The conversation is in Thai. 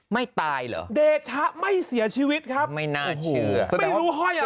ไม่ตายเหรอเดชะไม่เสียชีวิตครับไม่น่าเชื่อไม่รู้ห้อยอ่ะ